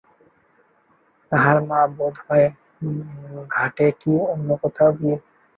তাহার মা বোধ হয় ঘাটে কি অন্য কোথাও গিয়াছে।